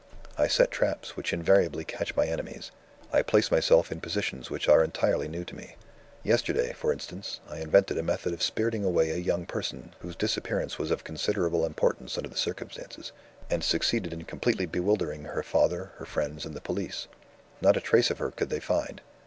I set traps which invariably catch my enemies. I place myself in positions which are entirely new to me. Yesterday, for instance, I invented a method of spiriting away a young person, whose disappearance was of considerable importance under the circumstances, and succeeded in completely bewildering her father, her friends, and the police: not a trace of her could they find.